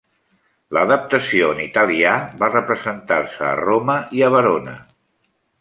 L'adaptació en italià va representar-se a Roma i a Verona.